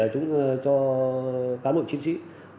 cho các đội chiến sĩ